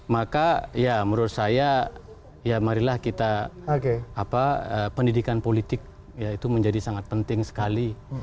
maka ya menurut saya ya marilah kita pendidikan politik ya itu menjadi sangat penting sekali